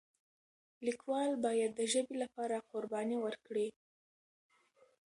لیکوال باید د ژبې لپاره قرباني ورکړي.